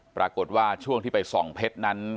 ปรากฏว่าช่วงที่ไปส่องเพชรนั้น